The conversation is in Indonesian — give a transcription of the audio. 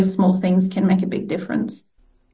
setiap hal kecil dapat memberikan perbedaan besar